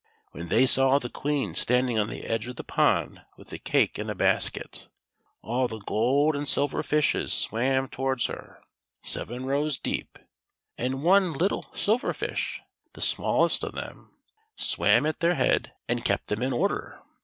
When they saw the Queen standing on the edge of the pond with the cake in a basket, all the gold and silver fishes swam towards her, seven rows deep ; and one little Silver Fish, the smallest of them, swam at their head and kept them in order.